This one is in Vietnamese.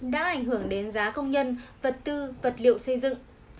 bốn mươi chín tám mươi ba đã ảnh hưởng đến giá công nhân vật tư vật liệu xây dựng